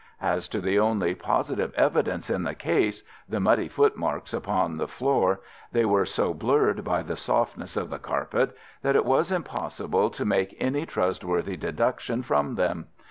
As to the only positive evidence in the case—the muddy footmarks upon the floor—they were so blurred by the softness of the carpet that it was impossible to make any trustworthy deduction from them.